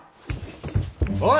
おい！